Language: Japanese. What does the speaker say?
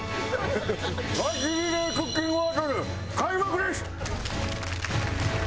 ガチリレークッキングバトル開幕です。